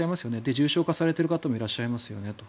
重症化されている方もいらっしゃいますよねと。